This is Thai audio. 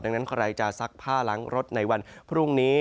ดังนั้นใครจะซักผ้าล้างรถในวันพรุ่งนี้